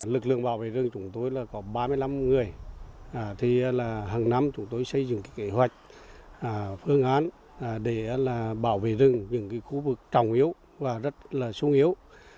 lực lượng bảo vệ rừng chúng tôi có ba mươi năm người hằng năm chúng tôi xây dựng kế hoạch phương án để bảo vệ rừng những khu vực trồng yếu và rất sung yếu